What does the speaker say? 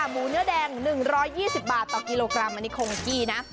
หมูเนื้อแดง๑๒๐บาทต่อกิโลกรัมอันนี้คงกี้นะ